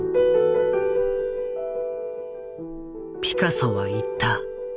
ピカソは言った。